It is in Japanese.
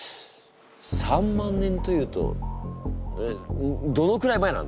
３万年というとんどのくらい前なんだ？